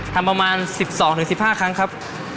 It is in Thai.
ทำประมาณสิบสองถึงสิบห้าครั้งครับ